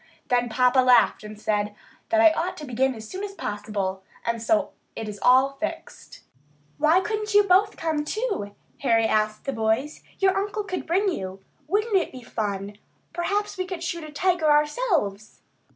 Then papa laughed and said that I ought to begin as soon as possible, and so it is all fixed. "Why couldn't you both come, too?" Harry asked the boys. "Your uncle could bring you. Wouldn't it be fun! Perhaps we could shoot a tiger ourselves!"